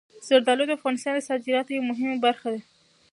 زردالو د افغانستان د صادراتو یوه مهمه برخه ده.